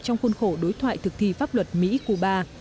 trong khuôn khổ đối thoại thực thi pháp luật mỹ cuba